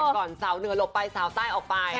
สาวเหนือหลบไปสาวใต้ออกไป